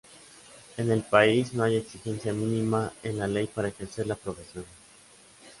En el país no hay exigencia mínima en la ley para ejercer la profesión.